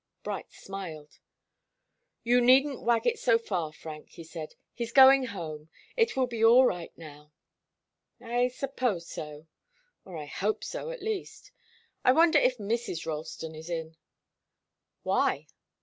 Bright smiled. "You needn't wag it so far, Frank," he said. "He's going home. It will be all right now." "I suppose so or I hope so, at least. I wonder if Mrs. Ralston is in." "Why?"